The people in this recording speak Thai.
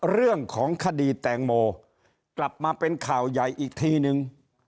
เรื่องของคดีแตงโมกลับมาเป็นข่าวใหญ่อีกทีนึง